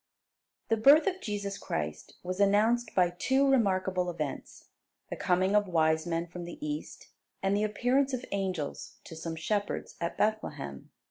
The birth of Jesus Christ was announced by two remarkable events: the coming of wise men from the East, and the appearance of angels to some shepherds at Bethlehem.